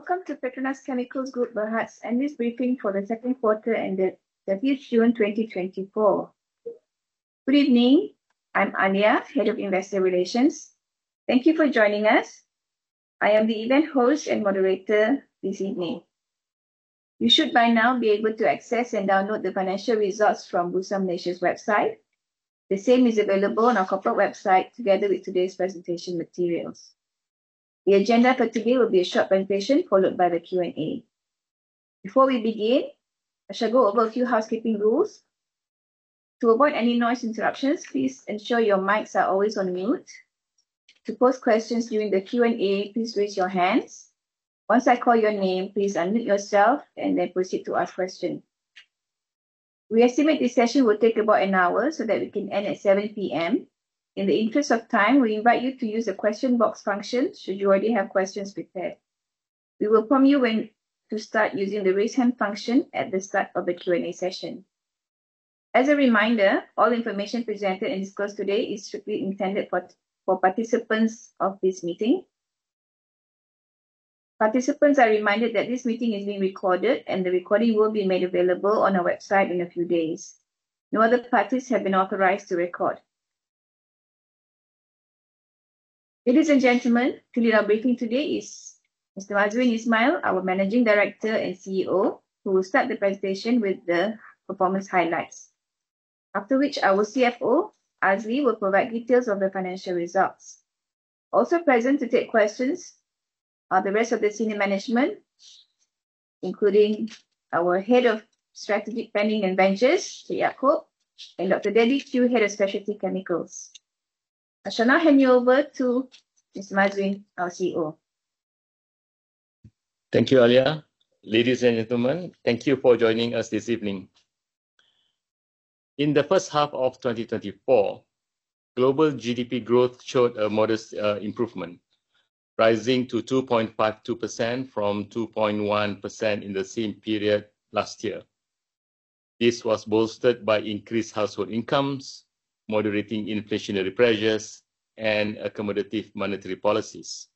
Welcome to PETRONAS Chemicals Group Berhad's earnings briefing for the second quarter and the end of June 2024. Good evening. I'm Alia, Head of Investor Relations. Thank you for joining us. I am the event host and moderator this evening. You should by now be able to access and download the financial results from Bursa Malaysia's website. The same is available on our corporate website, together with today's presentation materials. The agenda for today will be a short presentation, followed by the Q&A. Before we begin, I shall go over a few housekeeping rules. To avoid any noise interruptions, please ensure your mics are always on mute. To pose questions during the Q&A, please raise your hands. Once I call your name, please unmute yourself and then proceed to ask question. We estimate this session will take about an hour, so that we can end at 7:00 P.M. In the interest of time, we invite you to use the question box function should you already have questions prepared. We will prompt you when to start using the raise hand function at the start of the Q&A session. As a reminder, all information presented and discussed today is strictly intended for participants of this meeting. Participants are reminded that this meeting is being recorded, and the recording will be made available on our website in a few days. No other parties have been authorized to record. Ladies and gentlemen, to lead our briefing today is Mr. Mazuin Ismail, our Managing Director and CEO, who will start the presentation with the performance highlights. After which, our CFO, Azli, will provide details of the financial results. Also present to take questions are the rest of the senior management, including our Head of Strategic Planning and Ventures, Yaacob, and Dr. Debbie Chiu, Head of Specialty Chemicals. I shall now hand you over to Mr. Mazuin, our CEO. Thank you, Alia. Ladies and gentlemen, thank you for joining us this evening. In the first half of 2024, global GDP growth showed a modest improvement, rising to 2.52% from 2.1% in the same period last year. This was bolstered by increased household incomes, moderating inflationary pressures, and accommodative monetary policies.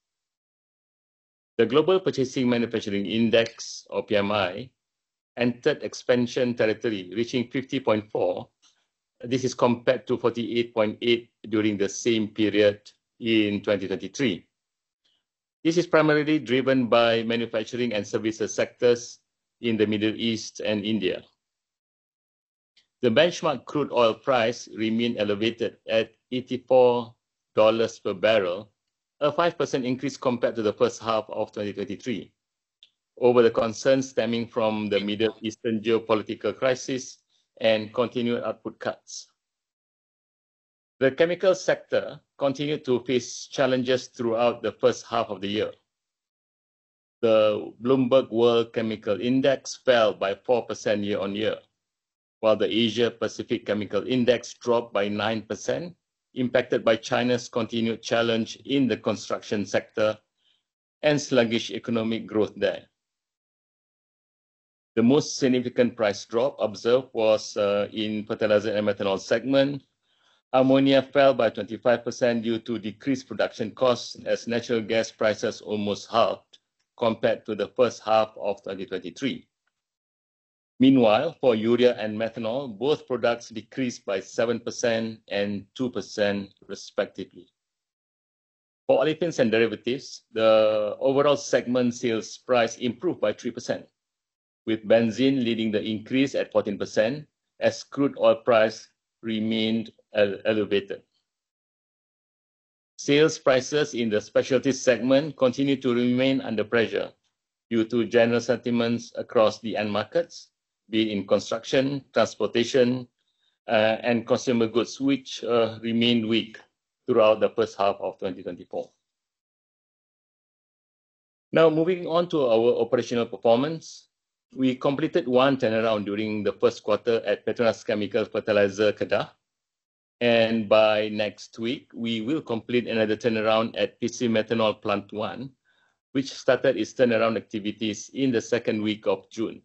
The Global Purchasing Managers' Index, or PMI, entered expansion territory, reaching 50.4. This is compared to 48.8 during the same period in 2023. This is primarily driven by manufacturing and services sectors in the Middle East and India. The benchmark crude oil price remained elevated at $84 per barrel, a 5% increase compared to the first half of 2023, over the concerns stemming from the Middle Eastern geopolitical crisis and continued output cuts. The chemical sector continued to face challenges throughout the first half of the year. The Bloomberg World Chemical Index fell by 4% year-on-year, while the Asia Pacific Chemical Index dropped by 9%, impacted by China's continued challenge in the construction sector and sluggish economic growth there. The most significant price drop observed was in fertilizer and methanol segment. Ammonia fell by 25% due to decreased production costs, as natural gas prices almost halved compared to the first half of 2023. Meanwhile, for urea and methanol, both products decreased by 7% and 2% respectively. For olefins and derivatives, the overall segment sales price improved by 3%, with benzene leading the increase at 14%, as crude oil price remained elevated. Sales prices in the specialties segment continued to remain under pressure due to general sentiments across the end markets, be it in construction, transportation, and consumer goods, which remained weak throughout the first half of 2024. Now, moving on to our operational performance. We completed one turnaround during the first quarter at PETRONAS Chemicals Fertilizer Kedah, and by next week, we will complete another turnaround at PC Methanol Plant One, which started its turnaround activities in the second week of June.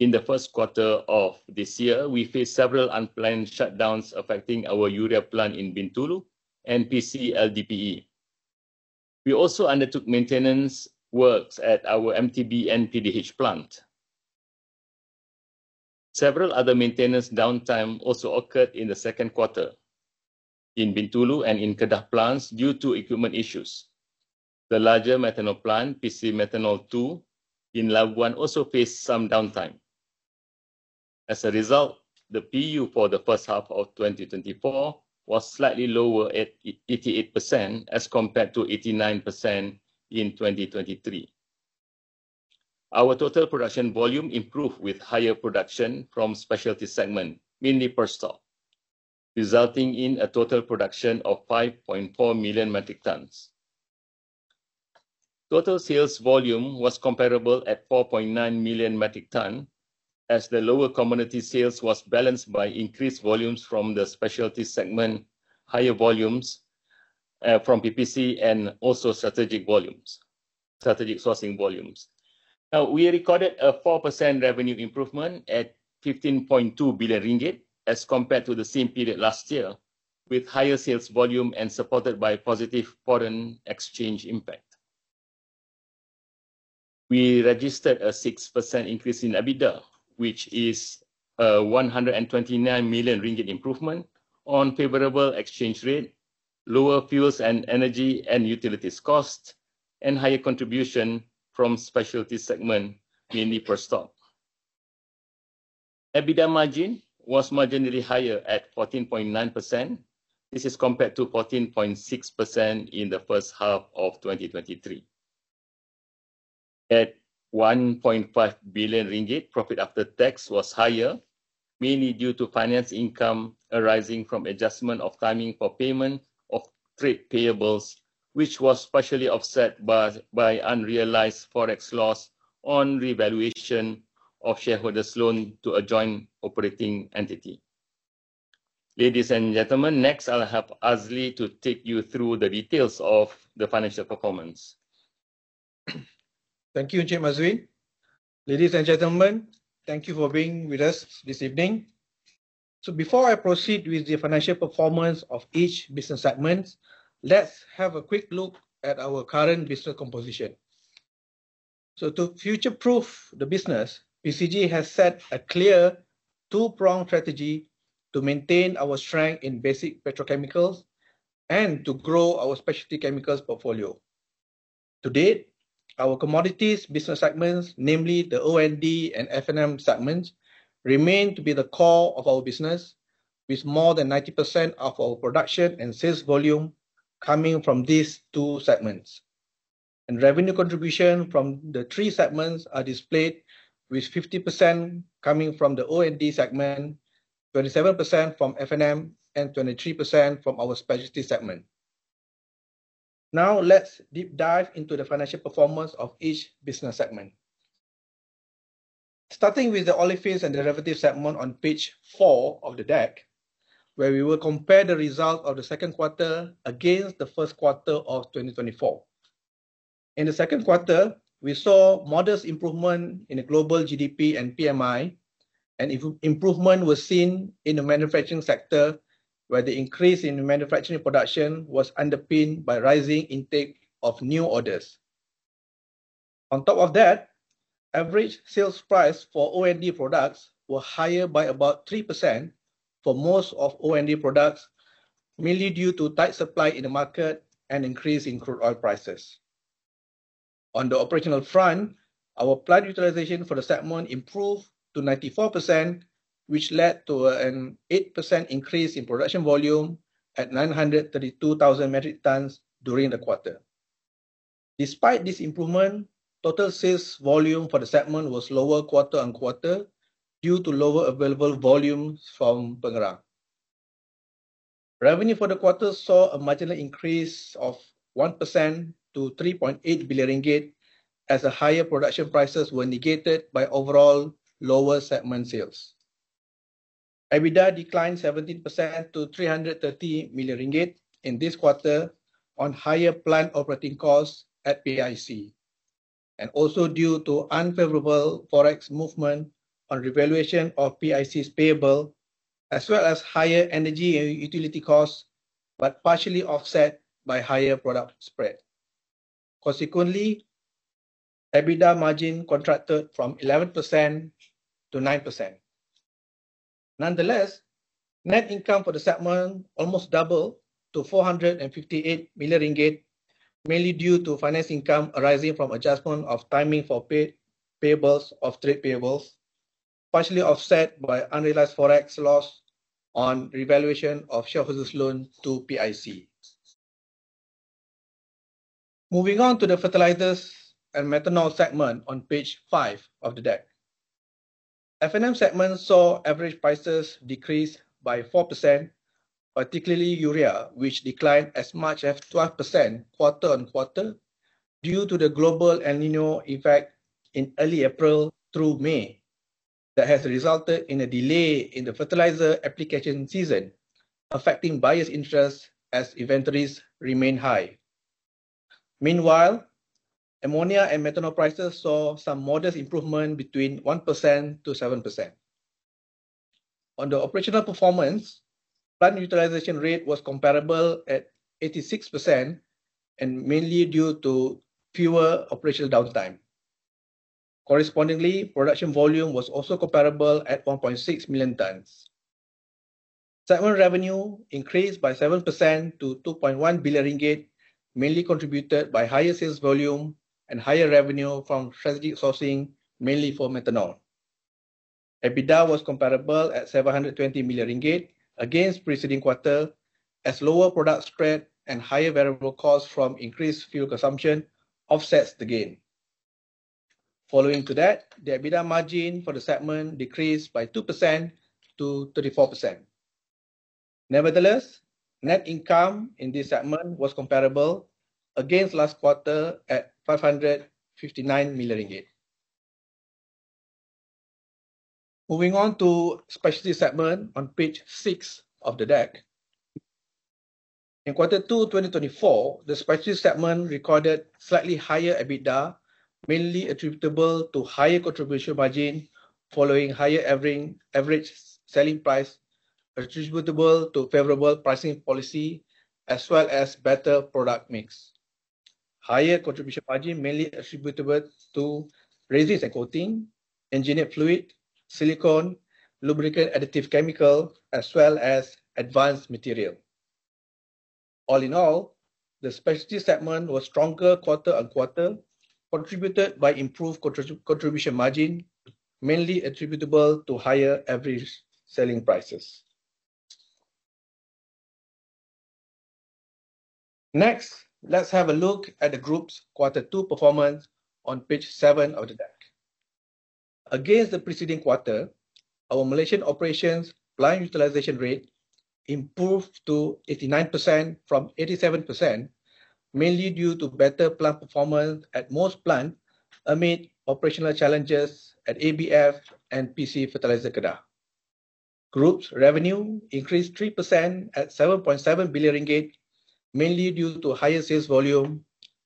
In the first quarter of this year, we faced several unplanned shutdowns affecting our urea plant in Bintulu and PC LDPE. We also undertook maintenance works at our MTBE and PDH plant. Several other maintenance downtime also occurred in the second quarter in Bintulu and in Kedah plants due to equipment issues. The larger methanol plant, PC Methanol Two in Labuan, also faced some downtime. As a result, the PU for the first half of 2024 was slightly lower at 88%, as compared to 89% in 2023. Our total production volume improved, with higher production from specialty segment, mainly Perstorp, resulting in a total production of 5.4 million metric tons. Total sales volume was comparable at 4.9 million metric ton, as the lower commodity sales was balanced by increased volumes from the specialty segment, higher volumes from PPC, and also strategic volumes—strategic sourcing volumes.... Now, we recorded a 4% revenue improvement at 15.2 billion ringgit, as compared to the same period last year, with higher sales volume and supported by positive foreign exchange impact. We registered a 6% increase in EBITDA, which is, one hundred and twenty-nine million ringgit improvement on favorable exchange rate, lower fuels and energy and utilities costs, and higher contribution from specialty segment, mainly Perstorp. EBITDA margin was marginally higher at 14.9%. This is compared to 14.6% in the first half of 2023. At 1.5 billion ringgit, profit after tax was higher, mainly due to finance income arising from adjustment of timing for payment of trade payables, which was partially offset by, by unrealized Forex loss on revaluation of shareholders' loan to a joint operating entity. Ladies and gentlemen, next, I'll have Azli to take you through the details of the financial performance. Thank you, Encik Mazuin. Ladies and gentlemen, thank you for being with us this evening. So before I proceed with the financial performance of each business segments, let's have a quick look at our current business composition. So to future-proof the business, PCG has set a clear two-pronged strategy to maintain our strength in basic petrochemicals and to grow our specialty chemicals portfolio. To date, our commodities business segments, namely the O&D and F&M segments, remain to be the core of our business, with more than 90% of our production and sales volume coming from these two segments. Revenue contribution from the three segments are displayed, with 50% coming from the O&D segment, 27% from F&M, and 23% from our specialty segment. Now, let's deep dive into the financial performance of each business segment. Starting with the Olefins & Derivatives segment on page 4 of the deck, where we will compare the result of the second quarter against the first quarter of 2024. In the second quarter, we saw modest improvement in the global GDP and PMI, and improvement was seen in the manufacturing sector, where the increase in manufacturing production was underpinned by rising intake of new orders. On top of that, average sales price for O&D products were higher by about 3% for most of O&D products, mainly due to tight supply in the market and increase in crude oil prices. On the operational front, our plant utilization for the segment improved to 94%, which led to an 8% increase in production volume at 932,000 metric tons during the quarter. Despite this improvement, total sales volume for the segment was lower quarter-on-quarter due to lower available volumes from Pengerang. Revenue for the quarter saw a marginal increase of 1% to 3.8 billion ringgit, as the higher production prices were negated by overall lower segment sales. EBITDA declined 17% to 330 million ringgit in this quarter on higher plant operating costs at PIC, and also due to unfavorable Forex movement on revaluation of PIC's payable, as well as higher energy and utility costs, but partially offset by higher product spread. Consequently, EBITDA margin contracted from 11% to 9%. Nonetheless, net income for the segment almost double to 458 million ringgit, mainly due to finance income arising from adjustment of timing for paid payables of trade payables, partially offset by unrealized Forex loss on revaluation of shareholders' loan to PIC. Moving on to the Fertilizers and Methanol segment on page five of the deck. F&M segment saw average prices decrease by 4%, particularly urea, which declined as much as 12% quarter-on-quarter, due to the global El Niño effect in early April through May. That has resulted in a delay in the fertilizer application season, affecting buyers' interest as inventories remain high. Meanwhile, ammonia and methanol prices saw some modest improvement between 1%-7%. On the operational performance, plant utilization rate was comparable at 86% and mainly due to fewer operational downtime. Correspondingly, production volume was also comparable at 1.6 million tons. Segment revenue increased by 7% to 2.1 billion ringgit, mainly contributed by higher sales volume and higher revenue from strategic sourcing, mainly for methanol. EBITDA was comparable at 720 million ringgit against preceding quarter, as lower product spread and higher variable costs from increased fuel consumption offsets the gain. Following to that, the EBITDA margin for the segment decreased by 2%-34%. Nevertheless, net income in this segment was comparable against last quarter at 559 million ringgit.... Moving on to specialty segment on page 6 of the deck. In quarter two, 2024, the specialty segment recorded slightly higher EBITDA, mainly attributable to higher contribution margin, following higher average selling price, attributable to favorable pricing policy, as well as better product mix. Higher contribution margin mainly attributable to resins and coating, engineered fluid, silicone, lubricant additive chemical, as well as advanced material. All in all, the specialty segment was stronger quarter-on-quarter, contributed by improved contribution margin, mainly attributable to higher average selling prices. Next, let's have a look at the group's quarter two performance on page seven of the deck. Against the preceding quarter, our Malaysian operations line utilization rate improved to 89% from 87%, mainly due to better plant performance at most plants, amid operational challenges at ABF and PC Fertilizer Kedah. Group's revenue increased 3% at 7.7 billion ringgit, mainly due to higher sales volume,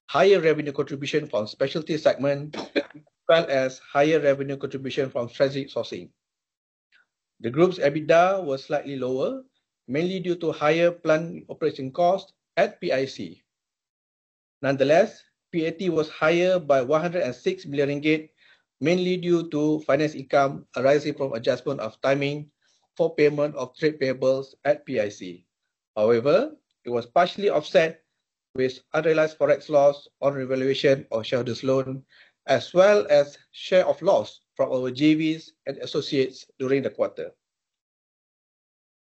higher revenue contribution from specialty segment, as well as higher revenue contribution from strategic sourcing. The group's EBITDA was slightly lower, mainly due to higher plant operation cost at PIC. Nonetheless, PAT was higher by 106 billion ringgit, mainly due to finance income arising from adjustment of timing for payment of trade payables at PIC. However, it was partially offset with unrealized Forex loss on revaluation of shareholders' loan, as well as share of loss from our JVs and associates during the quarter.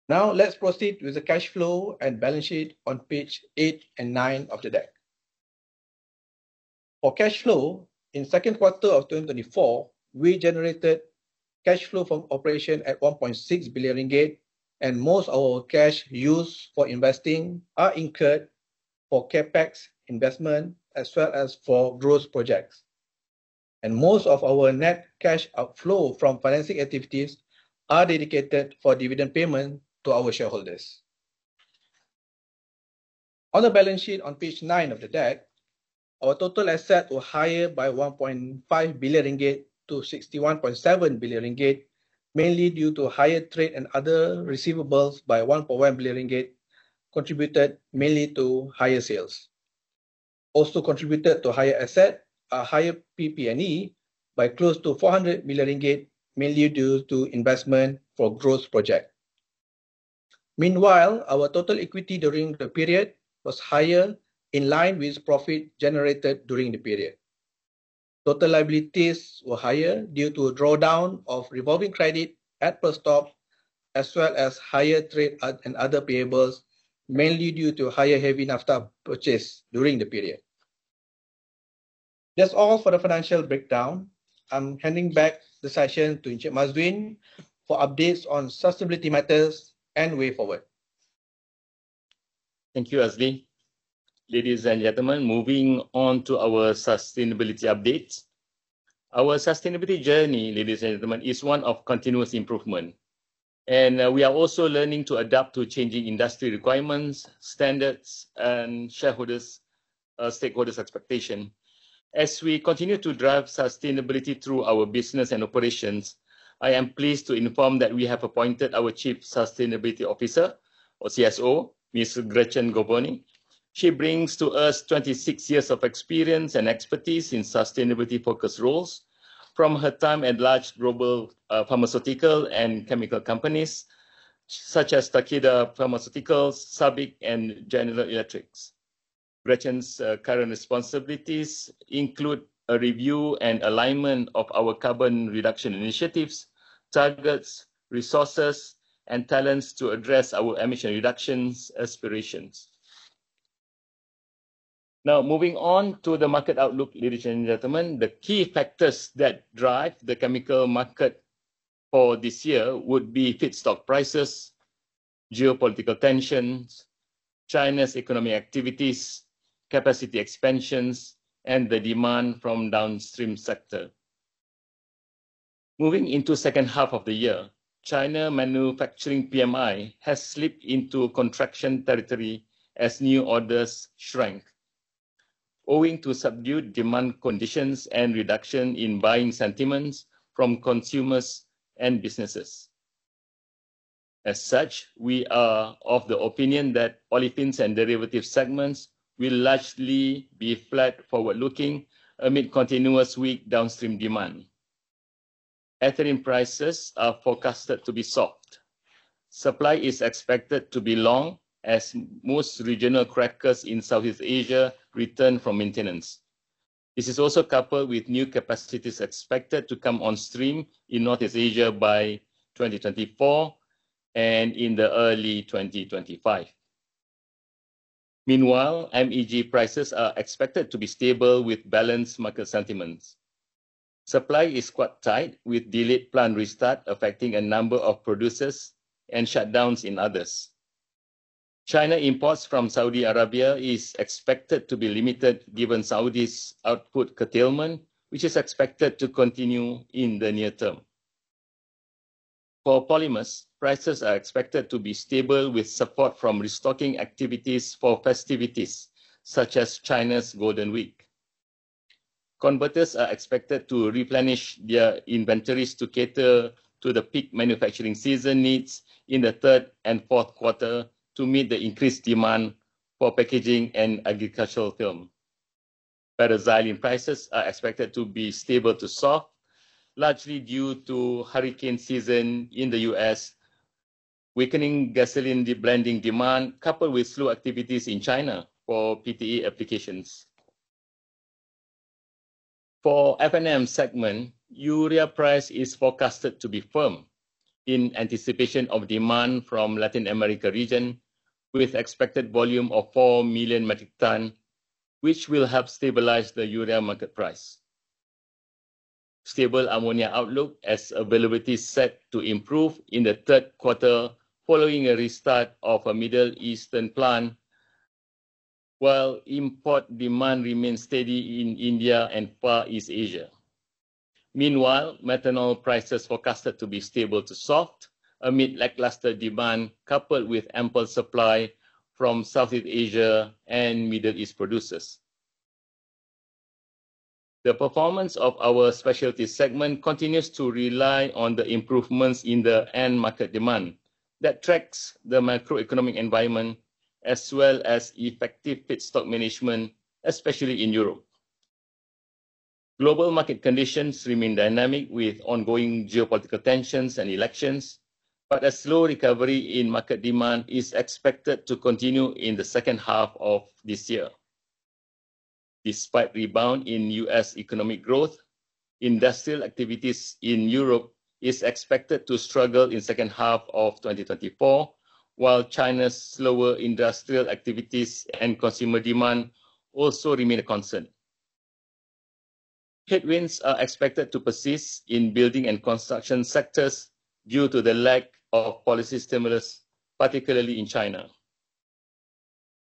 Now, let's proceed with the cash flow and balance sheet on page eight and nine of the deck. For cash flow, in second quarter of 2024, we generated cash flow from operation at 1.6 billion ringgit, and most of our cash used for investing are incurred for CapEx investment, as well as for growth projects. Most of our net cash outflow from financing activities are dedicated for dividend payment to our shareholders. On the balance sheet on page nine of the deck, our total assets were higher by 1.5 billion ringgit to 61.7 billion ringgit, mainly due to higher trade and other receivables by 1.1 billion ringgit, contributed mainly to higher sales. Also contributed to higher assets, a higher PP&E by close to 400 million ringgit, mainly due to investment for growth project. Meanwhile, our total equity during the period was higher, in line with profit generated during the period. Total liabilities were higher due to a drawdown of revolving credit at Perstorp, as well as higher trade and other payables, mainly due to higher heavy naphtha purchase during the period. That's all for the financial breakdown. I'm handing back the session to Encik Mazuin for updates on sustainability matters and way forward. Thank you, Azli. Ladies and gentlemen, moving on to our sustainability updates. Our sustainability journey, ladies and gentlemen, is one of continuous improvement, and, we are also learning to adapt to changing industry requirements, standards, and shareholders, stakeholders' expectation. As we continue to drive sustainability through our business and operations, I am pleased to inform that we have appointed our Chief Sustainability Officer, or CSO, Ms. Gretchen Govoni. She brings to us 26 years of experience and expertise in sustainability-focused roles from her time at large global, pharmaceutical and chemical companies such as Takeda Pharmaceuticals, SABIC, and General Electric. Gretchen's current responsibilities include a review and alignment of our carbon reduction initiatives, targets, resources, and talents to address our emission reductions aspirations. Now, moving on to the market outlook, ladies and gentlemen, the key factors that drive the chemical market for this year would be feedstock prices, geopolitical tensions, China's economic activities, capacity expansions, and the demand from downstream sector. Moving into second half of the year, China manufacturing PMI has slipped into contraction territory as new orders shrink, owing to subdued demand conditions and reduction in buying sentiments from consumers and businesses. As such, we are of the opinion that olefins and derivatives segments will largely be flat, forward-looking, amid continuous weak downstream demand. Ethylene prices are forecasted to be soft. Supply is expected to be long, as most regional crackers in Southeast Asia return from maintenance. This is also coupled with new capacities expected to come on stream in Northeast Asia by 2024 and in the early 2025. Meanwhile, MEG prices are expected to be stable with balanced market sentiments. Supply is quite tight, with delayed plant restart affecting a number of producers and shutdowns in others. China imports from Saudi Arabia is expected to be limited, given Saudi's output curtailment, which is expected to continue in the near term. For polymers, prices are expected to be stable, with support from restocking activities for festivities, such as China's Golden Week. Converters are expected to replenish their inventories to cater to the peak manufacturing season needs in the third and fourth quarter to meet the increased demand for packaging and agricultural film. Paraxylene prices are expected to be stable to soft, largely due to hurricane season in the US, weakening gasoline deblending demand, coupled with slow activities in China for PTA applications. For F&M segment, urea price is forecasted to be firm in anticipation of demand from Latin America region, with expected volume of four million metric tons, which will help stabilize the urea market price. Stable ammonia outlook as availability is set to improve in the third quarter, following a restart of a Middle Eastern plant, while import demand remains steady in India and Far East Asia. Meanwhile, methanol prices forecasted to be stable to soft amid lackluster demand, coupled with ample supply from Southeast Asia and Middle East producers. The performance of our specialty segment continues to rely on the improvements in the end market demand that tracks the macroeconomic environment, as well as effective just-in-time stock management, especially in Europe. Global market conditions remain dynamic, with ongoing geopolitical tensions and elections, but a slow recovery in market demand is expected to continue in the second half of this year. Despite rebound in U.S. economic growth, industrial activities in Europe is expected to struggle in second half of 2024, while China's slower industrial activities and consumer demand also remain a concern. Headwinds are expected to persist in building and construction sectors due to the lack of policy stimulus, particularly in China.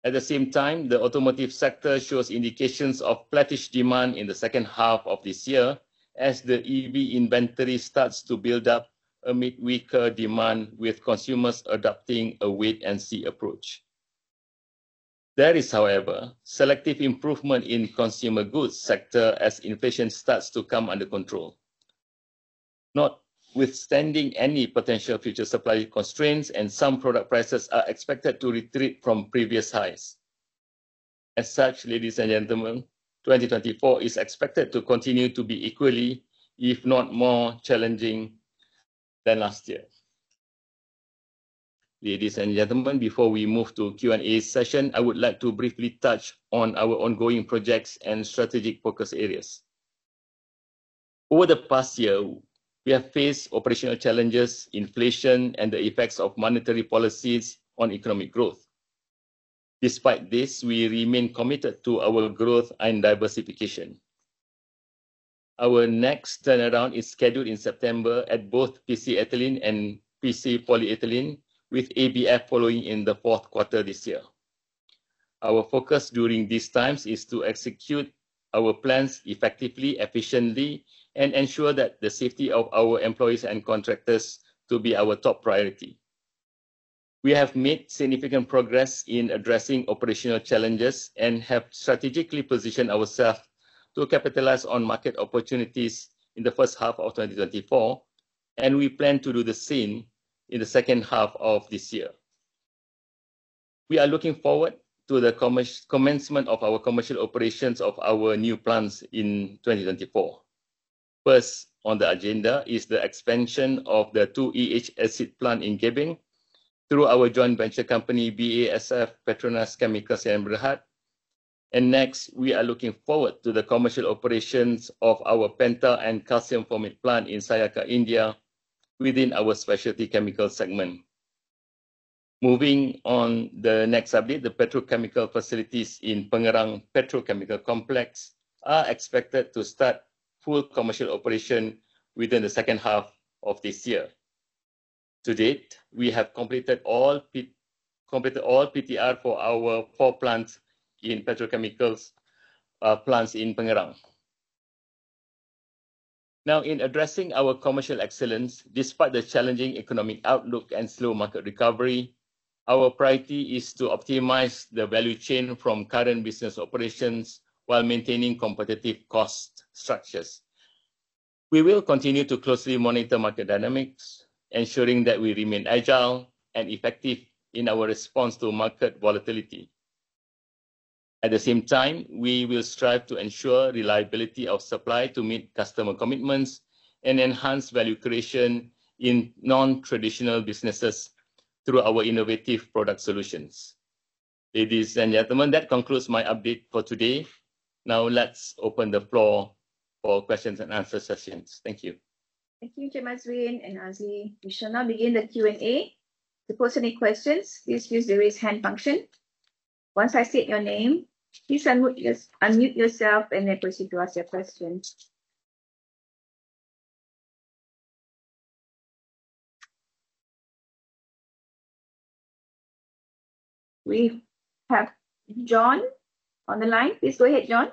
At the same time, the automotive sector shows indications of flattish demand in the second half of this year as the EV inventory starts to build up amid weaker demand, with consumers adopting a wait-and-see approach. There is, however, selective improvement in consumer goods sector as inflation starts to come under control. Notwithstanding any potential future supply constraints and some product prices are expected to retreat from previous highs. As such, ladies and gentlemen, 2024 is expected to continue to be equally, if not more, challenging than last year. Ladies and gentlemen, before we move to Q&A session, I would like to briefly touch on our ongoing projects and strategic focus areas. Over the past year, we have faced operational challenges, inflation, and the effects of monetary policies on economic growth. Despite this, we remain committed to our growth and diversification. Our next turnaround is scheduled in September at both PC Ethylene and PC Polyethylene, with ABF following in the fourth quarter this year. Our focus during these times is to execute our plans effectively, efficiently, and ensure that the safety of our employees and contractors to be our top priority. We have made significant progress in addressing operational challenges and have strategically positioned ourselves to capitalize on market opportunities in the first half of 2024, and we plan to do the same in the second half of this year. We are looking forward to the commencement of our commercial operations of our new plants in 2024. First on the agenda is the expansion of the 2-EH acid plant in Gebeng, through our joint venture company, BASF PETRONAS Chemicals Sdn. Bhd. Next, we are looking forward to the commercial operations of our penta and calcium formate plant in Sayakha, India, within our specialty chemical segment. Moving on the next update, the petrochemical facilities in Pengerang Petrochemical Complex are expected to start full commercial operation within the second half of this year. To date, we have completed all PTR for our four plants in petrochemicals, plants in Pengerang. Now, in addressing our commercial excellence, despite the challenging economic outlook and slow market recovery, our priority is to optimize the value chain from current business operations while maintaining competitive cost structures. We will continue to closely monitor market dynamics, ensuring that we remain agile and effective in our response to market volatility. At the same time, we will strive to ensure reliability of supply to meet customer commitments and enhance value creation in non-traditional businesses through our innovative product solutions. Ladies and gentlemen, that concludes my update for today. Now, let's open the floor for questions and answer sessions. Thank you. Thank you, Chairman Mazuin and Azli. We shall now begin the Q&A. To pose any questions, please use the Raise Hand function. Once I state your name, please unmute yourself and then proceed to ask your question. We have John on the line. Please go ahead, John.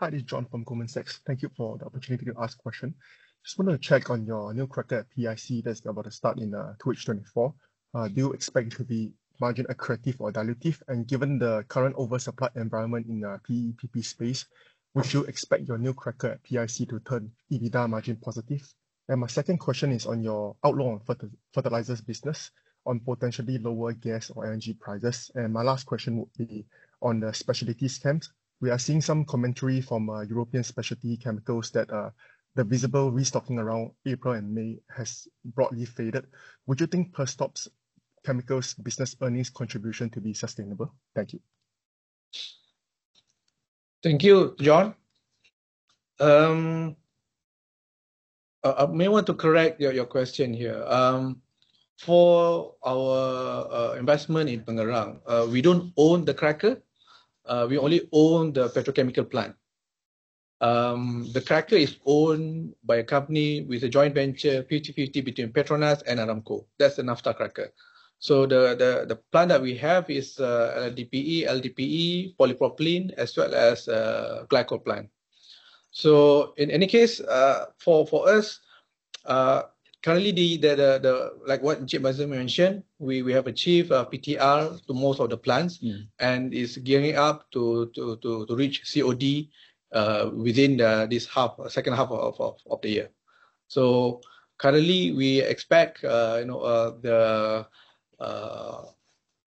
Hi, this is John from Goldman Sachs. Thank you for the opportunity to ask question. Just wanted to check on your new cracker at PIC that's about to start in 2024. Do you expect it to be margin accretive or dilutive? And given the current oversupplied environment in the PE/PP space, would you expect your new cracker at PIC to turn EBITDA margin positive? And my second question is on your outlook on fertilizers business, on potentially lower gas or LNG prices. And my last question would be on the specialties chem. We are seeing some commentary from European specialty chemicals that the visible restocking around April and May has broadly faded. Would you think Perstorp's chemicals business earnings contribution to be sustainable? Thank you. Thank you, John. I may want to correct your question here. For our investment in Pengerang, we don't own the cracker; we only own the petrochemical plant. The cracker is owned by a company with a joint venture, 50/50, between PETRONAS and Aramco. That's the naphtha cracker. So the plant that we have is HDPE, LDPE, polypropylene, as well as glycol plant. So in any case, for us, currently, like what CEO Mazuin mentioned, we have achieved PTR to most of the plants- and it's gearing up to reach COD within this half, second half of the year. So currently, we expect, you know, the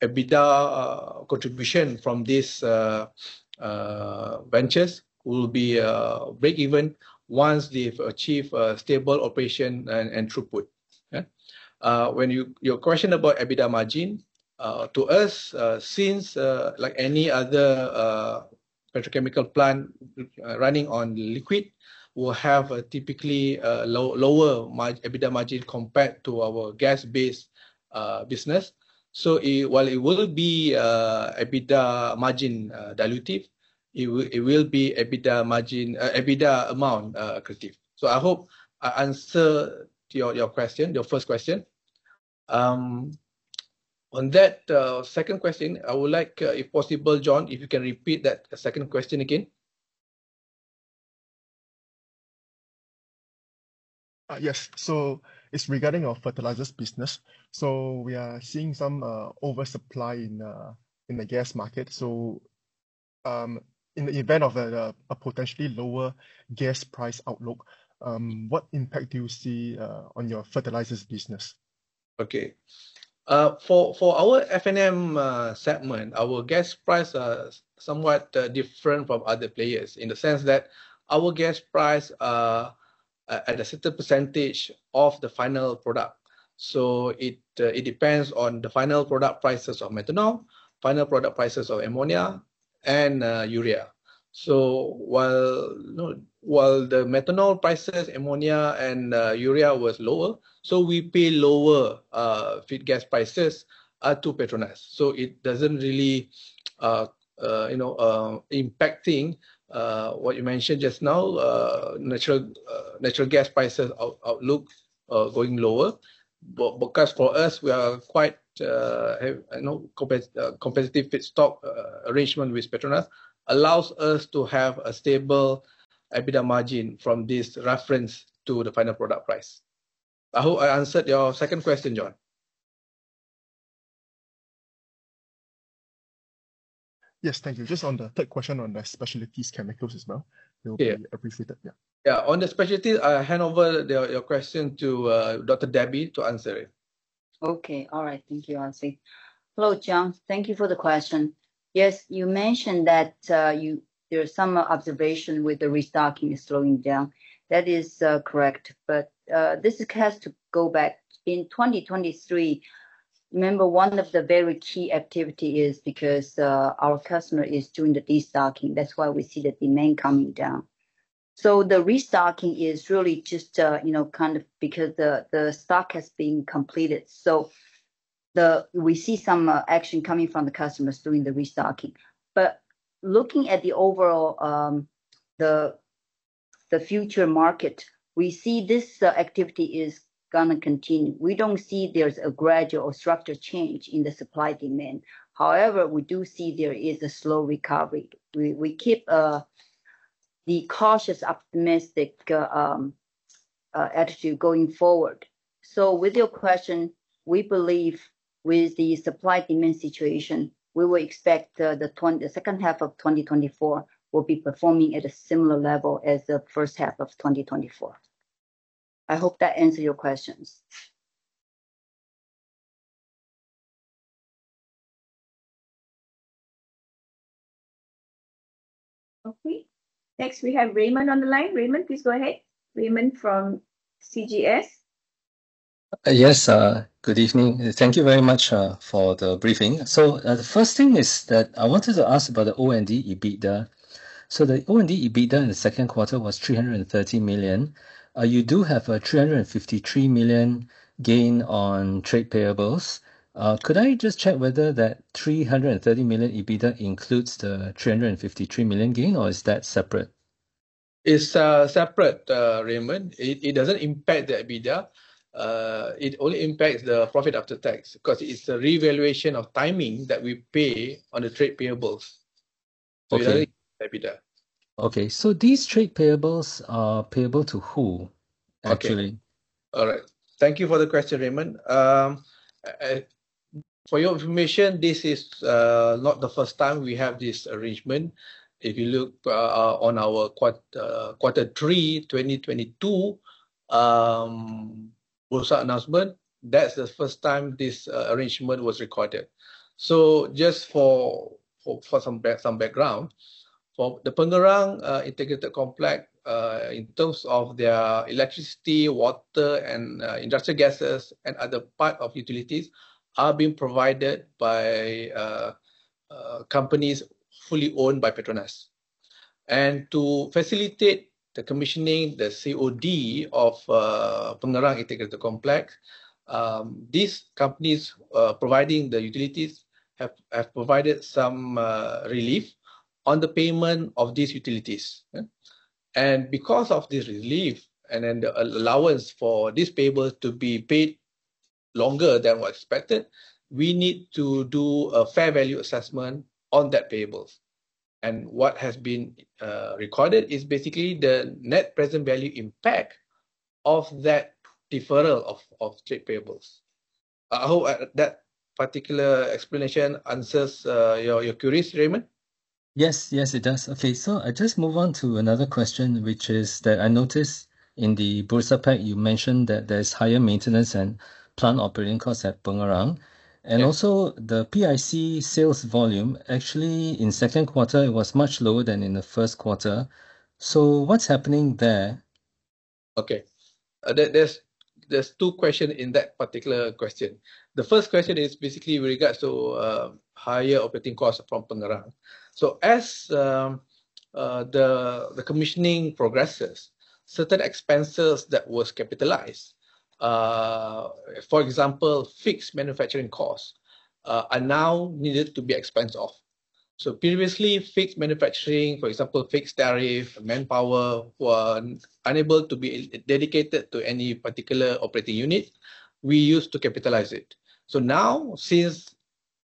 EBITDA contribution from this ventures will be break even once they've achieved a stable operation and throughput. Yeah. When your question about EBITDA margin, to us, since, like any other, petrochemical plant, running on liquid, will have a typically, lower EBITDA margin compared to our gas-based business. So it... While it will be EBITDA margin dilutive, it will be EBITDA amount accretive. So I hope I answer your question, your first question. On that second question, I would like, if possible, John, if you can repeat that second question again. Yes. So it's regarding your fertilizers business. So we are seeing some oversupply in the gas market. So, in the event of a potentially lower gas price outlook, what impact do you see on your fertilizers business? Okay. For our F&M segment, our gas prices are somewhat different from other players, in the sense that our gas prices are at a certain percentage of the final product. So it depends on the final product prices of methanol, final product prices of ammonia, and urea. So while, you know, while the methanol prices, ammonia, and urea was lower, so we pay lower feed gas prices to PETRONAS. So it doesn't really, you know, impacting what you mentioned just now, natural gas prices outlook going lower. Because for us, we are quite, you know, competitive feedstock arrangement with PETRONAS, allows us to have a stable EBITDA margin from this reference to the final product price. I hope I answered your second question, John. Yes, thank you. Just on the third question on the specialty chemicals as well- Yeah. It will be appreciated. Yeah. Yeah. On the specialty, I hand over your question to Dr. Debbie to answer it. Okay. All right. Thank you, Anshu. Hello, John. Thank you for the question. Yes, you mentioned that there are some observations with the restocking is slowing down. That is correct, but this has to go back. In 2023, remember, one of the very key activity is because our customer is doing the destocking. That's why we see the demand coming down. So the restocking is really just you know kind of because the stock has been completed. So we see some action coming from the customers doing the restocking. But looking at the overall the future market, we see this activity is gonna continue. We don't see there's a gradual or structural change in the supply-demand. However, we do see there is a slow recovery. We keep the cautiously optimistic attitude going forward. So with your question, we believe with the supply-demand situation, we will expect the second half of 2024 will be performing at a similar level as the first half of 2024. I hope that answer your questions. Okay. Next, we have Raymond on the line. Raymond, please go ahead. Raymond from CGS. Yes, good evening. Thank you very much for the briefing. So, the first thing is that I wanted to ask about the O&D EBITDA. So the O&D EBITDA in the second quarter was MYR 330 million. You do have a MYR 353 million gain on trade payables. Could I just check whether that MYR 330 million EBITDA includes the MYR 353 million gain, or is that separate?... It's separate, Raymond. It doesn't impact the EBITDA. It only impacts the profit after tax, 'cause it's a revaluation of timing that we pay on the trade payables- Okay. So it doesn't EBITDA. Okay. So these trade payables are payable to who, actually? Okay. All right. Thank you for the question, Raymond. For your information, this is not the first time we have this arrangement. If you look on our quarter three, 2022, Bursa announcement, that's the first time this arrangement was recorded. So just for some background, for the Pengerang Integrated Complex, in terms of their electricity, water, and industrial gases, and other part of utilities, are being provided by companies fully owned by PETRONAS. And to facilitate the commissioning, the COD of Pengerang Integrated Complex, these companies providing the utilities have provided some relief on the payment of these utilities. Yeah. And because of this relief, and then the allowance for these payables to be paid longer than what expected, we need to do a fair value assessment on that payables. And what has been recorded is basically the net present value impact of that deferral of trade payables. I hope that particular explanation answers your queries, Raymond. Yes. Yes, it does. Okay. So I just move on to another question, which is that I noticed in the Bursa pack, you mentioned that there's higher maintenance and plant operating costs at Pengerang. Yeah. Also, the PIC sales volume, actually, in second quarter, it was much lower than in the first quarter. So what's happening there? Okay. There, there's two questions in that particular question. The first question is basically with regards to higher operating costs from Pengerang. So as the commissioning progresses, certain expenses that was capitalized, for example, fixed manufacturing costs, are now needed to be expensed off. So previously, fixed manufacturing, for example, fixed tariff, manpower, were unable to be dedicated to any particular operating unit, we used to capitalize it. So now, since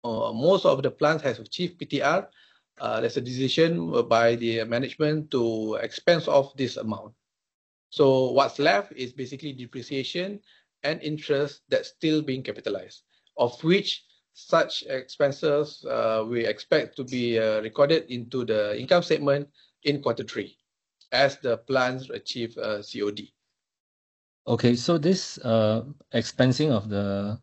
most of the plants has achieved PTR, there's a decision by the management to expense off this amount. So what's left is basically depreciation and interest that's still being capitalized, of which such expenses, we expect to be recorded into the income statement in quarter three, as the plants achieve COD. Okay. So this, expensing of the,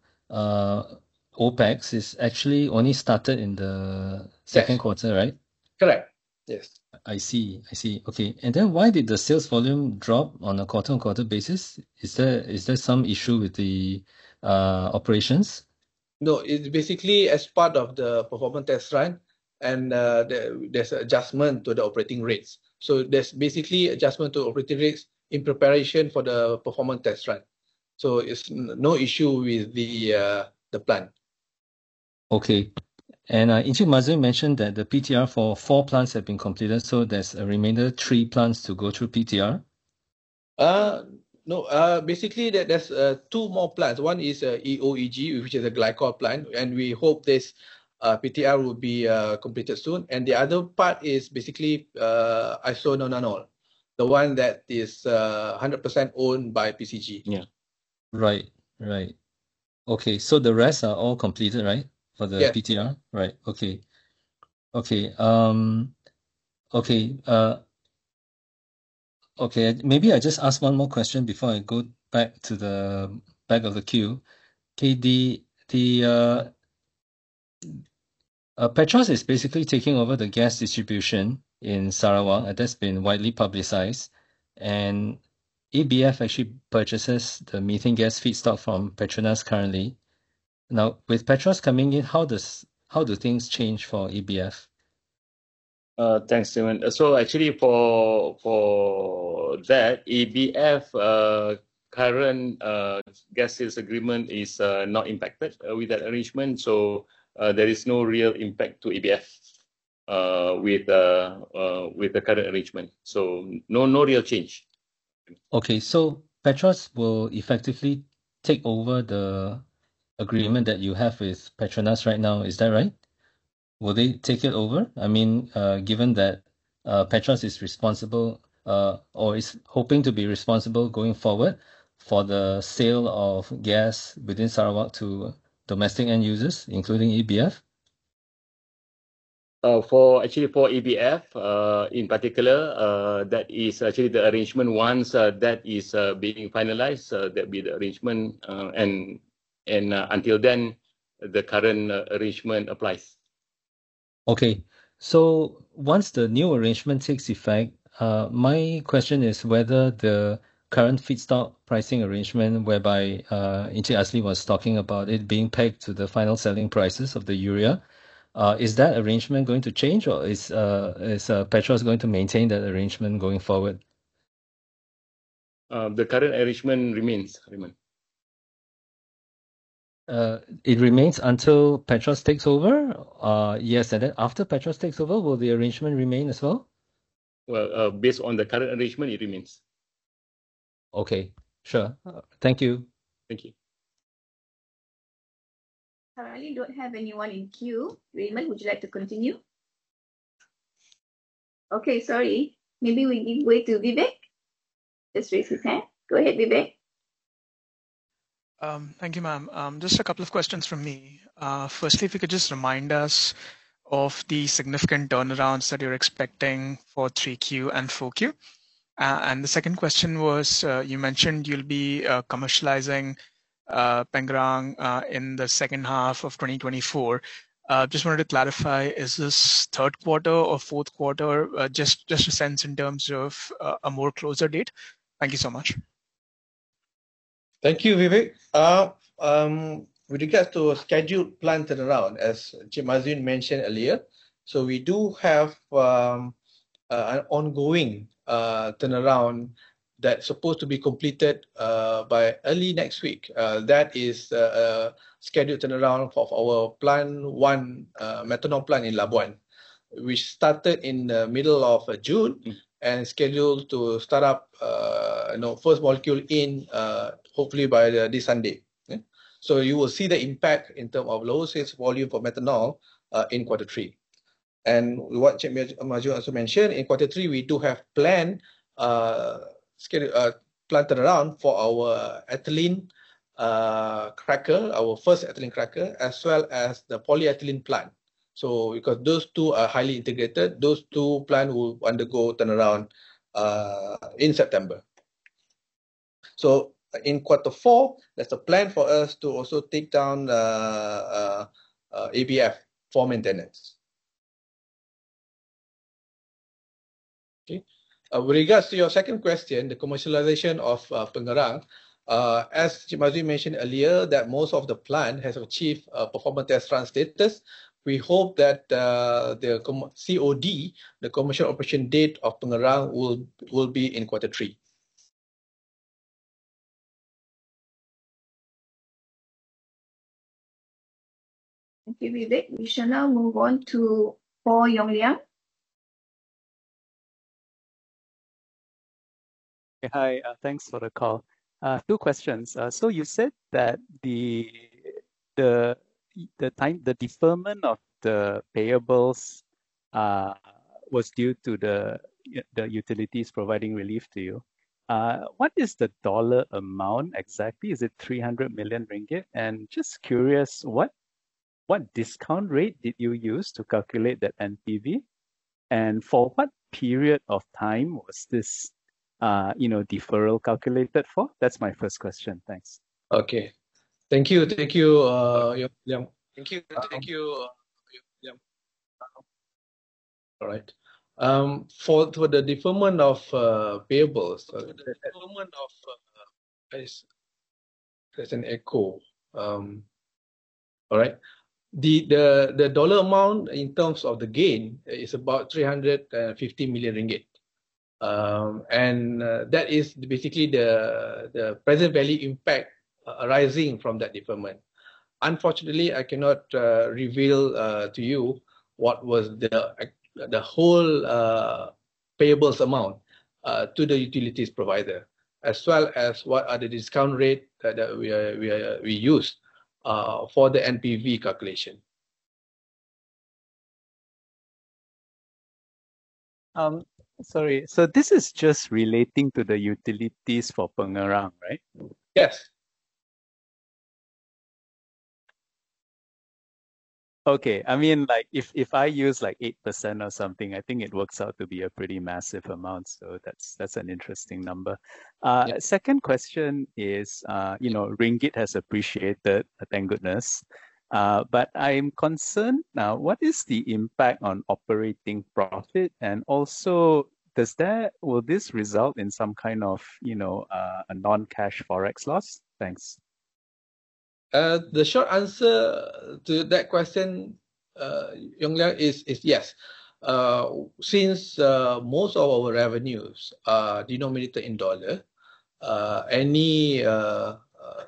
OpEx is actually only started in the- Yes... second quarter, right? Correct. Yes. I see. I see. Okay. And then why did the sales volume drop on a quarter-on-quarter basis? Is there, is there some issue with the, operations? No, it's basically as part of the performance test run, and there's an adjustment to the operating rates. So there's basically adjustment to operating rates in preparation for the performance test run. So it's no issue with the plant. Okay. And, Encik Mazlan mentioned that the PTR for four plants have been completed, so there's a remainder three plants to go through PTR? No. Basically, there, there's two more plants. One is EOEG, which is a glycol plant, and we hope this PTR will be completed soon. And the other part is basically isononanol, the one that is 100% owned by PCG. Yeah. Right. Right. Okay, so the rest are all completed, right, for the- Yeah... PTR? Right. Okay. Okay, okay, maybe I just ask one more question before I go back to the back of the queue. Okay, the PETROS is basically taking over the gas distribution in Sarawak, and that's been widely publicized. ABF actually purchases the methane gas feedstock from PETRONAS currently. Now, with PETROS coming in, how do things change for ABF? Thanks, Raymond. So actually, for, for that, ABF, current, gas sales agreement is, not impacted with that arrangement. So, there is no real impact to ABF, with the, with the current arrangement. So no, no real change. Okay. So PETROS will effectively take over the agreement that you have with PETRONAS right now, is that right? Will they take it over? I mean, given that, PETROS is responsible, or is hoping to be responsible going forward for the sale of gas within Sarawak to domestic end users, including ABF? Actually, for ABF, in particular, that is actually the arrangement once that is being finalized, that be the arrangement. Until then, the current arrangement applies. Okay. So once the new arrangement takes effect, my question is whether the current feedstock pricing arrangement whereby Encik Azli was talking about it being pegged to the final selling prices of the urea, is that arrangement going to change, or is PETROS going to maintain that arrangement going forward? The current arrangement remains, Raymond.... it remains until PETROS takes over? Yes, and then after PETROS takes over, will the arrangement remain as well? Well, based on the current arrangement, it remains. Okay. Sure. Thank you. Thank you. Currently, don't have anyone in queue. Raymond, would you like to continue? Okay, sorry. Maybe we give way to Vivek. Just raised his hand. Go ahead, Vivek. Thank you, ma'am. Just a couple of questions from me. Firstly, if you could just remind us of the significant turnarounds that you're expecting for 3Q and 4Q. And the second question was, you mentioned you'll be commercializing Pengerang in the second half of 2024. Just wanted to clarify, is this third quarter or fourth quarter? Just a sense in terms of a more closer date. Thank you so much. Thank you, Vivek. With regards to scheduled plant turnaround, as Encik Mazuin mentioned earlier, so we do have an ongoing turnaround that's supposed to be completed by early next week. That is scheduled turnaround of our plant one methanol plant in Labuan, which started in the middle of June- and scheduled to start up, you know, first molecule in, hopefully by, this Sunday. So you will see the impact in terms of lower sales volume for methanol, in quarter three. And what Encik Mazuin also mentioned, in quarter three, we do have planned plant turnaround for our ethylene cracker, our first ethylene cracker, as well as the polyethylene plant. So because those two are highly integrated, those two plant will undergo turnaround, in September. So in quarter four, there's a plan for us to also take down ABF for maintenance. Okay. With regards to your second question, the commercialization of Pengerang, as Encik Mazuin mentioned earlier, that most of the plant has achieved performance test run status. We hope that, the com... COD, the commercial operation date of Pengerang, will be in quarter three. Thank you, Vivek. We shall now move on to Paul Yong. Hi, thanks for the call. Two questions. So you said that the deferment of the payables was due to the utilities providing relief to you. What is the dollar amount exactly? Is it 300 million ringgit? And just curious, what discount rate did you use to calculate that NPV? And for what period of time was this, you know, deferral calculated for? That's my first question. Thanks. Okay. Thank you, thank you, Yong Liang. Thank you. Thank you, Yong Liang. All right, for the deferment of payables. There's an echo. All right. The dollar amount in terms of the gain is about 350 million ringgit. And that is basically the present value impact arising from that deferment. Unfortunately, I cannot reveal to you what was the actual the whole payables amount to the utilities provider, as well as what are the discount rate that we used for the NPV calculation. Sorry, so this is just relating to the utilities for Pengerang, right? Yes. Okay. I mean, like, if I use, like, 8% or something, I think it works out to be a pretty massive amount, so that's an interesting number. Yeah. Second question is, you know, Ringgit has appreciated, thank goodness. But I'm concerned now, what is the impact on operating profit? And also, will this result in some kind of, you know, a non-cash Forex loss? Thanks. The short answer to that question, Yong Liang, is yes. Since most of our revenues are denominated in dollar, any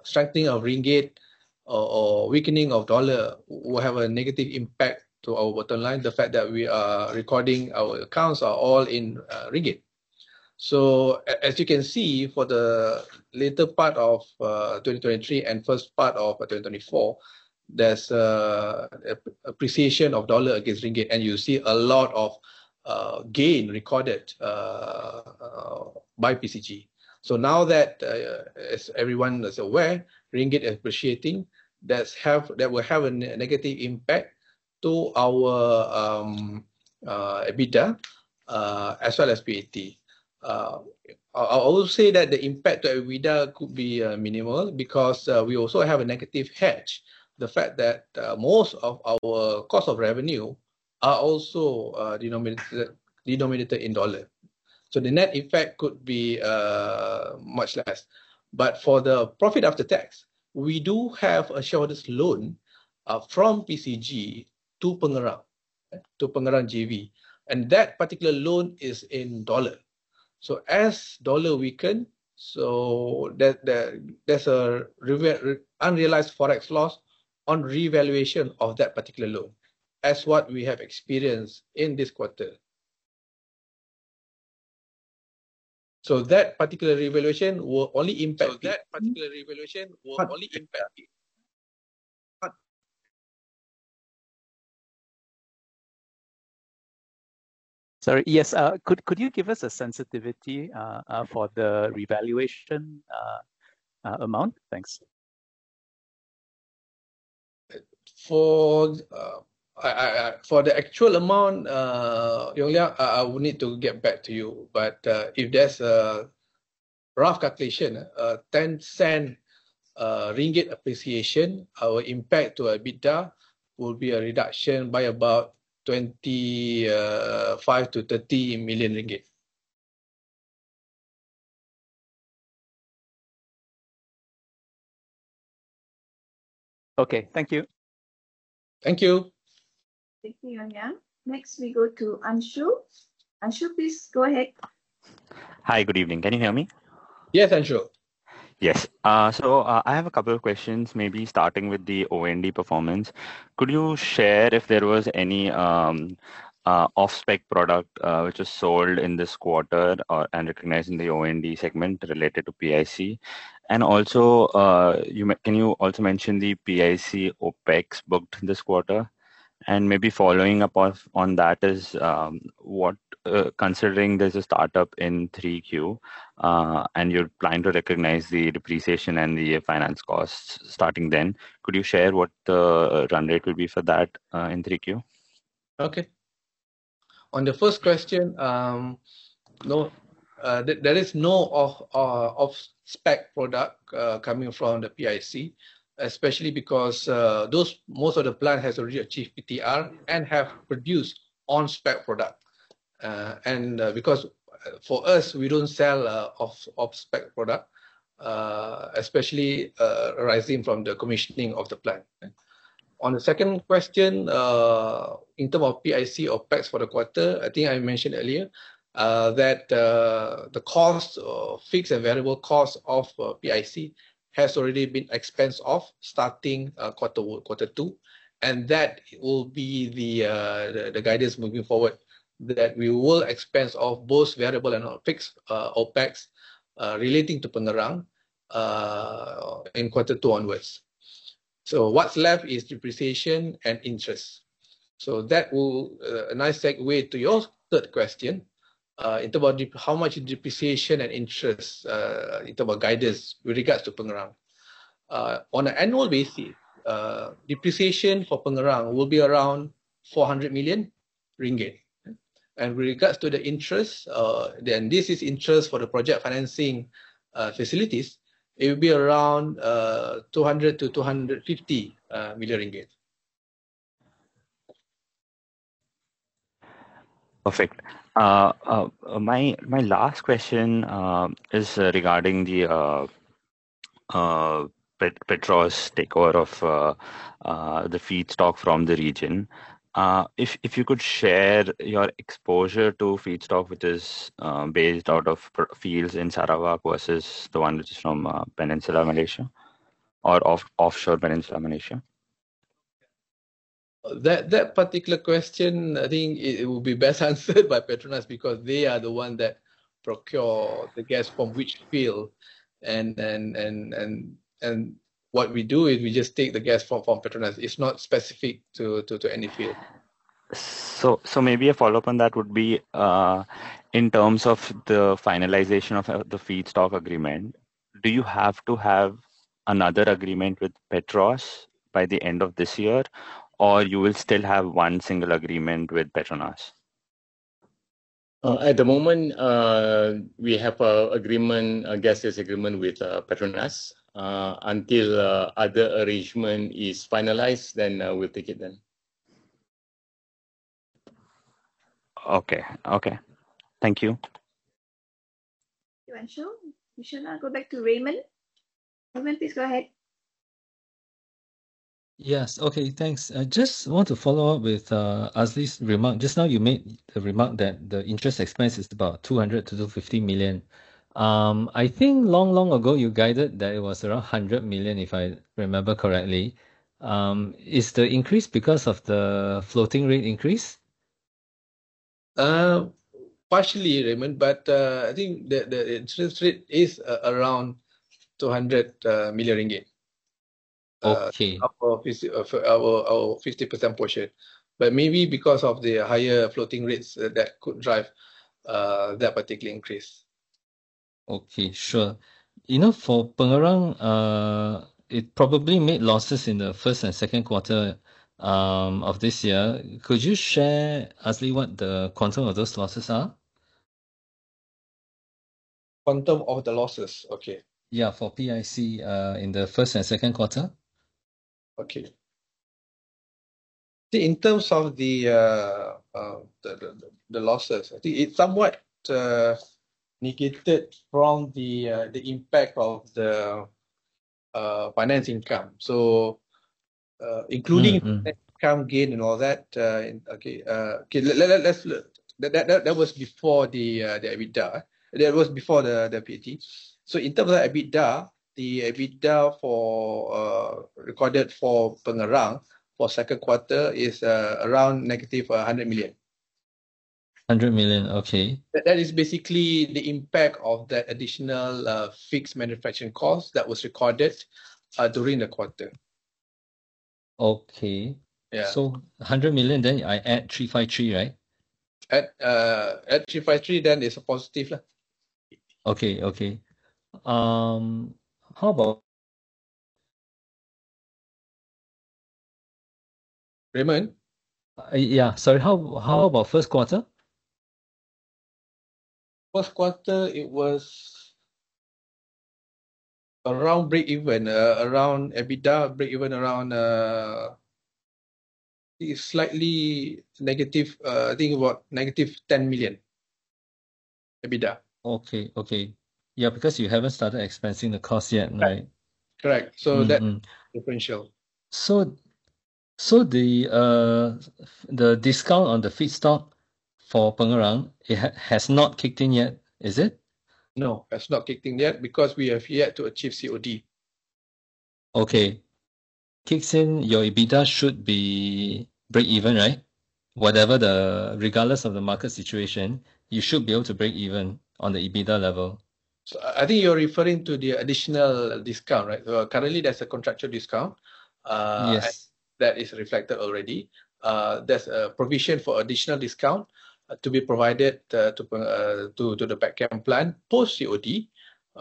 strengthening of ringgit or weakening of dollar will have a negative impact to our bottom line. The fact that we are recording our accounts are all in ringgit. So as you can see, for the latter part of 2023 and first part of 2024, there's an appreciation of dollar against ringgit, and you see a lot of gain recorded by PCG. So now that, as everyone is aware, ringgit appreciating, that will have a negative impact to our EBITDA as well as PAT. I will say that the impact to EBITDA could be minimal because we also have a negative hedge. The fact that most of our cost of revenue are also denominated in dollar. So the net effect could be much less. But for the profit after tax, we do have a shareholder's loan from PCG to Pengerang, to Pengerang JV, and that particular loan is in dollar... so as dollar weaken, so that there's an unrealized Forex loss on revaluation of that particular loan, as what we have experienced in this quarter. So that particular revaluation will only impact the— Sorry, yes, could you give us a sensitivity for the revaluation amount? Thanks. For the actual amount, Paul Yong, I will need to get back to you, but if there's a rough calculation, 10 cent ringgit appreciation, our impact to EBITDA will be a reduction by about 25 million-30 million ringgit. Okay. Thank you. Thank you. Thank you, Yong Liang. Next, we go to Anshu. Anshu, please go ahead. Hi, good evening. Can you hear me? Yes, Anshu. Yes. So, I have a couple of questions, maybe starting with the O&D performance. Could you share if there was any off-spec product which was sold in this quarter or, and recognized in the O&D segment related to PIC? And also, can you also mention the PIC OpEx booked this quarter? And maybe following up on that is, considering there's a startup in Q3, and you're planning to recognize the depreciation and the finance costs starting then, could you share what the run rate will be for that in Q3? Okay. On the first question, no, there is no off-spec product coming from the PIC, especially because most of the plant has already achieved PTR and have produced on-spec product. And because for us, we don't sell off-spec product, especially arising from the commissioning of the plant. On the second question, in term of PIC OpEx for the quarter, I think I mentioned earlier, that the cost, fixed and variable cost of PIC has already been expensed off starting quarter two, and that will be the guidance moving forward, that we will expense off both variable and fixed OpEx relating to Pengerang in quarter two onwards. So what's left is depreciation and interest. So that will a nice segue to your third question, in terms of how much depreciation and interest, in terms of guidance with regards to Pengerang. On an annual basis, depreciation for Pengerang will be around 400 million ringgit. And with regards to the interest, then this is interest for the project financing facilities, it will be around 200 million-250 million ringgit. Perfect. My last question is regarding the PETROS takeover of the feedstock from the region. If you could share your exposure to feedstock, which is based out of fields in Sarawak versus the one which is from Peninsular Malaysia or offshore Peninsular Malaysia. That particular question, I think it would be best answered by PETRONAS, because they are the one that procure the gas from which field, and what we do is we just take the gas from PETRONAS. It's not specific to any field. Maybe a follow-up on that would be, in terms of the finalization of the feedstock agreement, do you have to have another agreement with PETROS by the end of this year, or you will still have one single agreement with PETRONAS? At the moment, we have a agreement, a gas agreement with PETRONAS. Until other arrangement is finalized, then we'll take it then. Okay, okay. Thank you. Thank you, Anshu. We shall now go back to Raymond. Raymond, please go ahead. Yes, okay, thanks. I just want to follow up with Azli's remark. Just now, you made the remark that the interest expense is about 200 million-250 million. I think long, long ago, you guided that it was around 100 million, if I remember correctly. Is the increase because of the floating rate increase? Partially, Raymond, but I think the interest rate is around 200 million ringgit- Okay... for our 50% portion, but maybe because of the higher floating rates, that could drive that particular increase. Okay, sure. You know, for Pengerang, it probably made losses in the first and second quarter of this year. Could you share, Azli, what the quantum of those losses are? Quantum of the losses? Okay. Yeah, for PIC in the first and second quarter. Okay. In terms of the losses, I think it's somewhat negated from the impact of the finance income. So, including- -account gain and all that, okay. Okay, let's look. That was before the EBITDA. That was before the PAT. So in terms of EBITDA, the EBITDA recorded for Pengerang for second quarter is around -100 million. 100 million, okay. That, that is basically the impact of that additional fixed manufacturing cost that was recorded during the quarter. Okay. Yeah. 100 million, then I add 353 million, right? Add, add 353, then it's a positive lah. Okay, okay. How about- Raymond? Yeah, sorry. How about first quarter? First quarter, it was around breakeven, around EBITDA breakeven, around, slightly negative, I think about negative 10 million EBITDA. Okay, okay. Yeah, because you haven't started expensing the cost yet, right? Correct. So that differential. So, the discount on the feedstock for Pengerang, it has not kicked in yet, is it? No, it has not kicked in yet because we have yet to achieve COD. Okay. Kicks in, your EBITDA should be breakeven, right? Regardless of the market situation, you should be able to breakeven on the EBITDA level. So I think you're referring to the additional discount, right? Currently, there's a contractual discount, Yes... that is reflected already. There's a provision for additional discount to be provided to thepetchem plant post COD,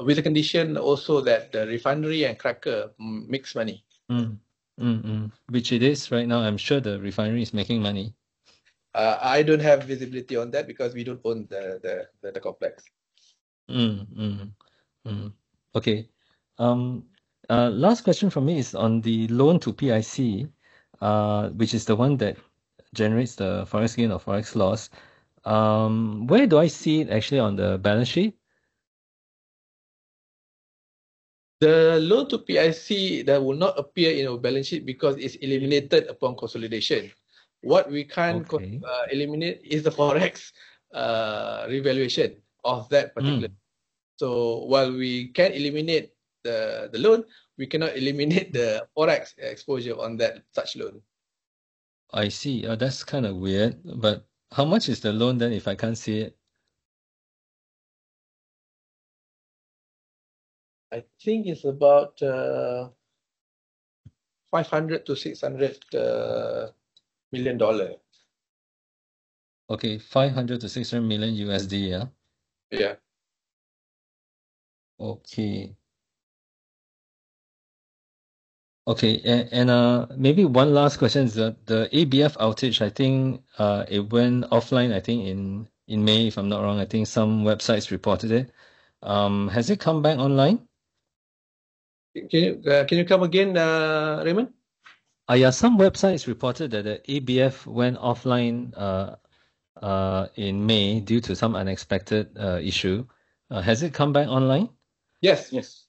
with the condition also that the refinery and cracker makes money. Which it is right now. I'm sure the refinery is making money. I don't have visibility on that because we don't own the complex. Okay. Last question from me is on the loan to PIC, which is the one that generates the forex gain or forex loss. Where do I see it actually on the balance sheet? The loan to PIC, that will not appear in our balance sheet because it's eliminated upon consolidation. Okay. What we can't eliminate is the forex revaluation of that particular- So while we can eliminate the loan, we cannot eliminate the forex exposure on that such loan. I see. Oh, that's kind of weird, but how much is the loan then, if I can't see it? I think it's about $500 million-$600 million. Okay, $500 million-$600 million, yeah? Yeah. Okay. Okay, and maybe one last question is the ABF outage, I think, it went offline, I think in May, if I'm not wrong. I think some websites reported it. Has it come back online? Can you, can you come again, Raymond? Yeah, some websites reported that the ABF went offline in May due to some unexpected issue. Has it come back online? Yes, yes.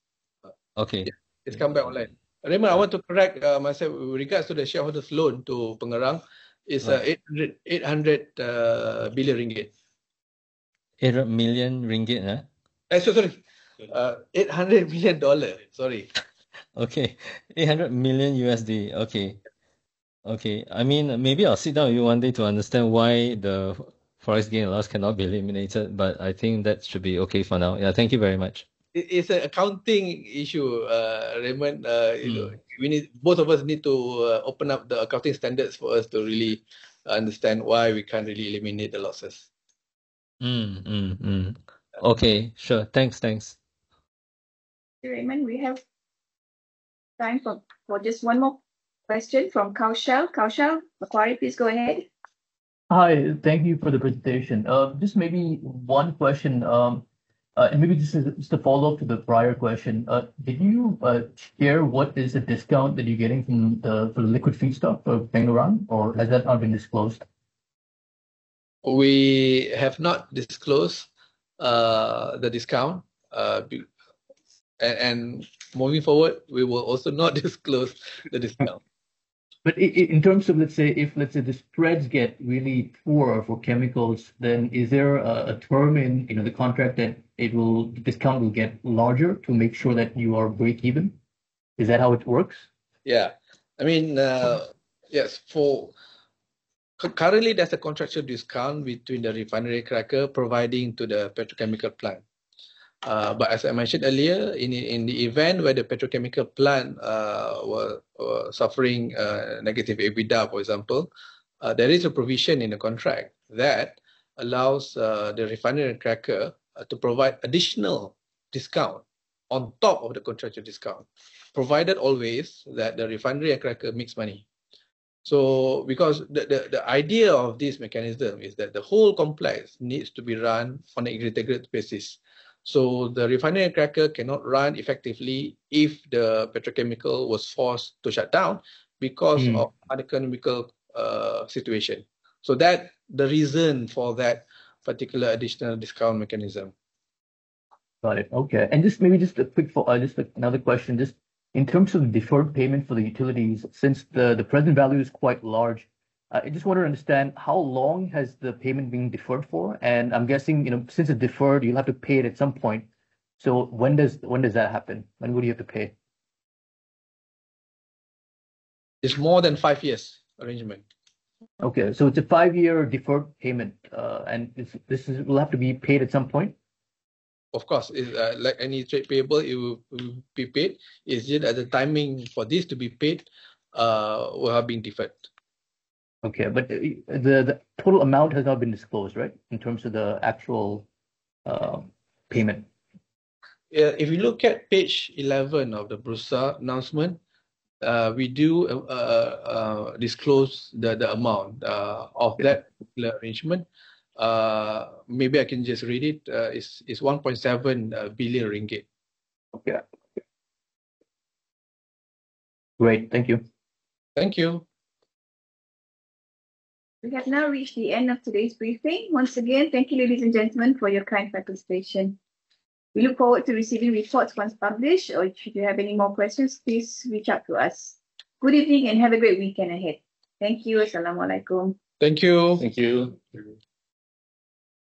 Okay. It's come back online. Raymond, I want to correct myself with regards to the shareholders' loan to Pengerang. Right. It's 800 billion ringgit. 800 million ringgit, huh? $800 million. Okay, $800 million. Okay. Okay, I mean, maybe I'll sit down with you one day to understand why the forex gain or loss cannot be eliminated, but I think that should be okay for now. Yeah, thank you very much. It's an accounting issue, Raymond.... you know, we need, both of us need to open up the accounting standards for us to really understand why we can't really eliminate the losses. Okay. Sure. Thanks, thanks. Raymond, we have time for just one more question from Kaushal. Kaushal Macquarie, please go ahead. Hi, thank you for the presentation. Just maybe one question, and maybe just as a follow-up to the prior question. Did you share what is the discount that you're getting from the liquid feedstock for Pengerang, or has that not been disclosed? We have not disclosed the discount, and moving forward, we will also not disclose the discount. But in terms of, let's say, if, let's say, the spreads get really poor for chemicals, then is there a, a term in, you know, the contract that it will... the discount will get larger to make sure that you are breakeven? Is that how it works? Yeah. I mean, yes, currently, there's a contractual discount between the refinery cracker providing to the petrochemical plant. But as I mentioned earlier, in the event where the petrochemical plant were suffering negative EBITDA, for example, there is a provision in the contract that allows the refinery and cracker to provide additional discount on top of the contractual discount, provided always that the refinery and cracker makes money. o because the idea of this mechanism is that the whole complex needs to be run on an integrated basis. So the refinery and cracker cannot run effectively if the petrochemical was forced to shut down because-... of uneconomical situation. So that the reason for that particular additional discount mechanism. Got it. Okay, and just maybe, just a quick follow... just another question. Just in terms of the deferred payment for the utilities, since the present value is quite large, I just want to understand how long has the payment been deferred for? And I'm guessing, you know, since it's deferred, you'll have to pay it at some point. So when does that happen? When would you have to pay? It's more than five years arrangement. Okay. So it's a five-year deferred payment, and this, this is, will have to be paid at some point? Of course, it's like any trade payable, it will be paid. It's just that the timing for this to be paid will have been deferred. Okay, but the total amount has not been disclosed, right? In terms of the actual payment. Yeah, if you look at page 11 of the Bursa announcement, we do disclose the amount of that- Okay... particular arrangement. Maybe I can just read it. It's 1.7 billion MYR. Okay. Great. Thank you. Thank you. We have now reached the end of today's briefing. Once again, thank you, ladies and gentlemen, for your kind participation. We look forward to receiving reports once published, or if you have any more questions, please reach out to us. Good evening, and have a great weekend ahead. Thank you. Assalamualaikum. Thank you. Thank you.